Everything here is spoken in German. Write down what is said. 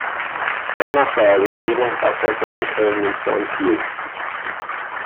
Danach war er Regierungsassessor in Köln, Münster und Kiel.